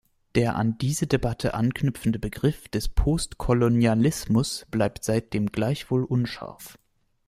Der an diese Debatte anknüpfende Begriff des Postkolonialismus bleibt seitdem gleichwohl unscharf.